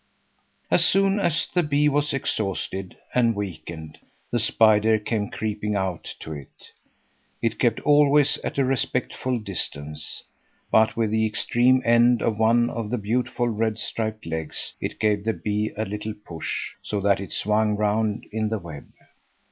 As soon as the bee was exhausted and weakened, the spider came creeping out to it. It kept always at a respectful distance, but with the extreme end of one of the beautiful, red striped legs it gave the bee a little push, so that it swung round in the web.